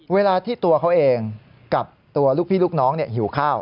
เวลาที่ตัวเขาเองกับตัวลูกพี่ลูกน้องหิวข้าว